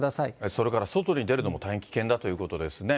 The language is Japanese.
それから外に出るのも大変危険だということですね。